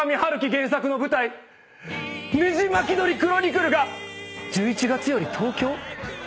原作の舞台『ねじまき鳥クロニクル』が１１月より東京？